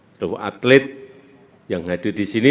seluruh atlet yang hadir di sini